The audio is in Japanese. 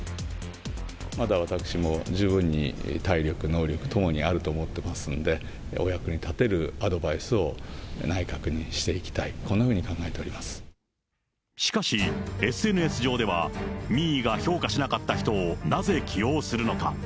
まだ私も十分に体力、能力ともにあると思ってますので、お役に立てるアドバイスを内閣にしていきたい、しかし、ＳＮＳ上では、民意が評価しなかった人をなぜ起用するのか。